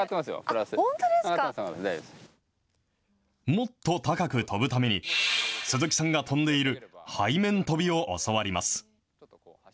もっと高く跳ぶために、鈴木さんが跳んでいる背面跳びを教わります。